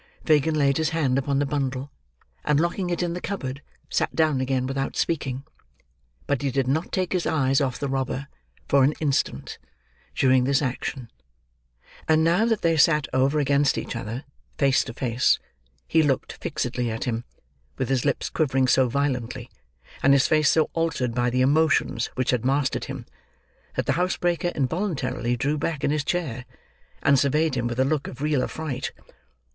Fagin laid his hand upon the bundle, and locking it in the cupboard, sat down again without speaking. But he did not take his eyes off the robber, for an instant, during this action; and now that they sat over against each other, face to face, he looked fixedly at him, with his lips quivering so violently, and his face so altered by the emotions which had mastered him, that the housebreaker involuntarily drew back his chair, and surveyed him with a look of real affright.